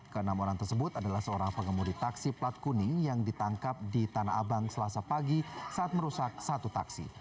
ke enam orang tersebut adalah seorang pengemudi taksi plat kuning yang ditangkap di tanah abang selasa pagi saat merusak satu taksi